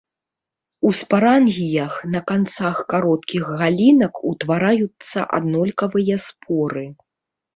У спарангіях на канцах кароткіх галінак утвараюцца аднолькавыя споры.